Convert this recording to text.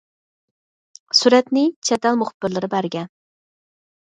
سۈرەتنى چەت ئەل مۇخبىرلىرى بەرگەن.